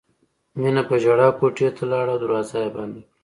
مینې په ژړا کوټې ته لاړه او دروازه یې بنده کړه